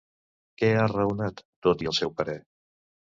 Què ha raonat, tot i el seu parer?